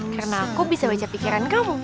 karena aku bisa baca pikiran kamu